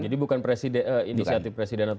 jadi bukan inisiatif presiden